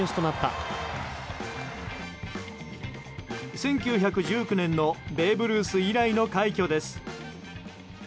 １９１９年のベーブ・ルース以来の快挙です。